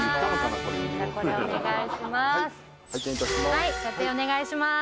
「はい査定お願いします」